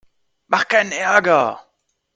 Mach keinen Ärger!